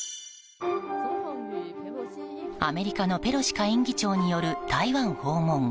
アメリカのペロシ下院議長による台湾訪問。